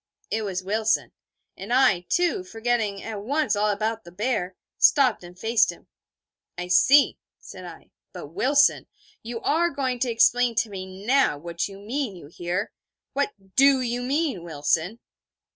It was Wilson. And I, too, forgetting at once all about the bear, stopped and faced him. 'I see,' said I. 'But, Wilson, you are going to explain to me now what you mean, you hear? What do you mean, Wilson?'